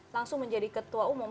langsung menjadi ketua umum